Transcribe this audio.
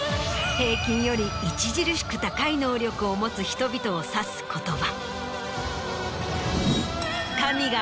平均より著しく高い能力を持つ人々を指す言葉。